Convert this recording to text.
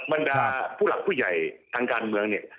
บรรดาผู้หลักผู้ใหญ่ทางการเมืองเนี่ย